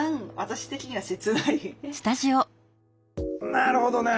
なるほどね。